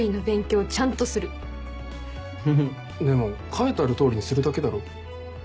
でも書いてあるとおりにするだけだろ？